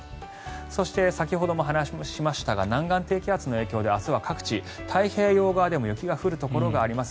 そして、先ほども話しましたが南岸低気圧の影響で明日は各地、太平洋側でも雪が降るところがあります。